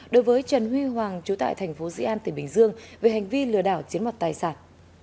đối với trần huy hoàng chú tại tp diện an tp bình dương về hành vi lừa đảo chiến mặt tài sản